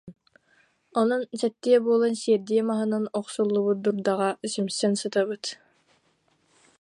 Онон сэттиэ буолан сиэрдийэ маһынан охсуллубут дурдаҕа симсэн сытабыт